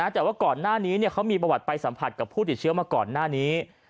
แต่ว่าก่อนหน้านี้เขามีประวัติไปสัมผัสกับผู้ติดเชื้อมาก่อนหน้านี้